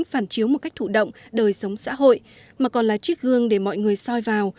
phản chiếu một cách thủ động đời sống xã hội mà còn là chiếc gương để mọi người soi vào